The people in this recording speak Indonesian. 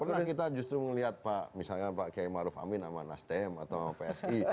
pernah kita justru melihat pak misalnya pak kiai maruf amin sama nasdem atau psi